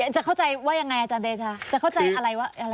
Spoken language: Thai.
จะเข้าใจว่ายังไงอาจารย์เดชาจะเข้าใจอะไรว่าอะไร